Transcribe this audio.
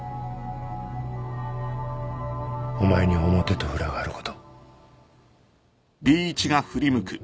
お前に表と裏があること。